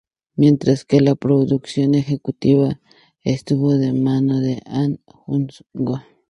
Mientras que la producción ejecutiva estuvo en manos de Ahn Hyung-jo.